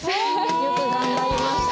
よく頑張りました。